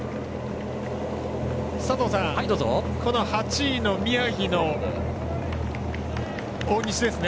佐藤さん８位の宮城の大西ですね